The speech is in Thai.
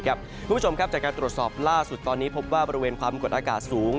คุณผู้ชมครับจากการตรวจสอบล่าสุดตอนนี้พบว่าบริเวณความกดอากาศสูง